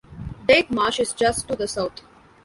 Dyke Marsh is just to the south.